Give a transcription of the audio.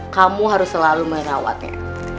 kamu harus selalu merawatnya